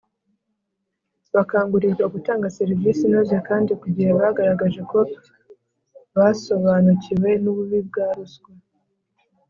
bakangurirwa gutanga serivisi inoze kandi ku gihe Bagaragaje ko basobanukiwe nububi bwa ruswa